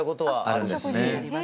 あるんですね。